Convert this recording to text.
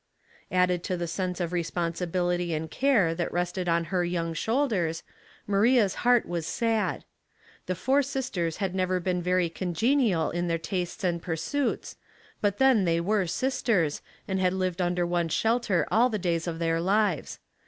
Added to the sense of responsibility and care that rested on her young shoulders, Maria's heart was sad. The four sisters had never been very congenial in their tastes and pursuits, bat then they were sisters, and had lived under one shelter all the days of their lives.